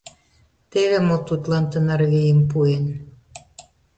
Теве мо тудлан тынар вийым пуэн!